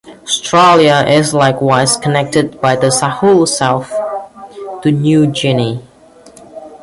Australia is likewise connected by the Sahul Shelf to New Guinea.